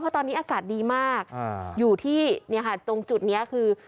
ตอนนี้อากาศดีมากอยู่ที่ตรงจุดนี้คือ